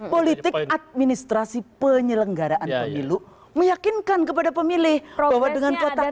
politik administrasi penyelenggaraan pemilu meyakinkan kepada pemilih bahwa dengan kotak